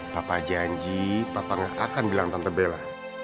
papa janji papa gak akan bilang tante bella